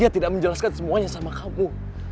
dia tidak menjelaskan semuanya sama kamu